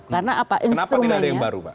kenapa tidak ada yang baru pak